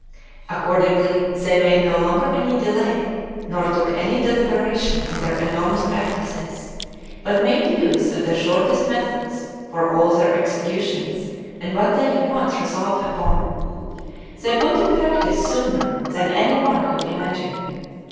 Accordingly, they made no longer any delay, nor took any deliberation in their enormous practices, but made use of the shortest methods for all their executions and what they had once resolved upon, they put in practice sooner than any one could imagine.